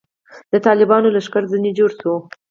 د طالبانو لښکر ځنې جوړ شو.